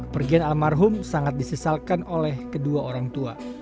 pergian almarhum sangat disesalkan oleh kedua orang tua